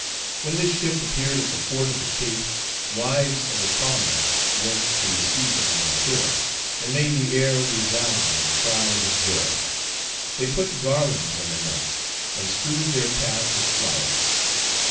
When this ship appeared at the fort of the Cape, wives of the colonists went to receive them on the shore, and made the air resound with cries of joy; they put garlands on their necks, and strewed their path with flowers.